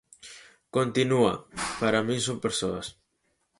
Continúa: Para min son persoas.